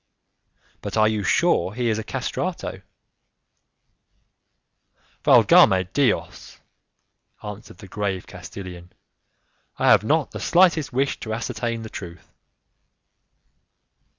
"But are you sure he is a 'castrato'?" "'Valgame Dios'!" answered the grave Castilian, "I have not the slightest wish to ascertain the truth."